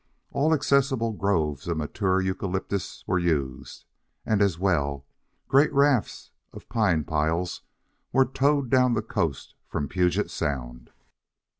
All accessible groves of mature eucalyptus were used, and as well, great rafts of pine piles were towed down the coast from Peugeot Sound.